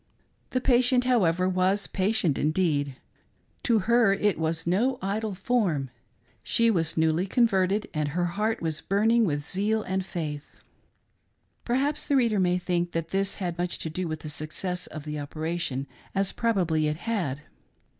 The patient, however, was patient indeed. To her it was no idle form. She was newly converted and her heart was burning with zeal and faith. Perhaps the reader may think, that this had much to do with the success of the operation, as probably it had.